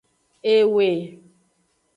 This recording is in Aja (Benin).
Ewe.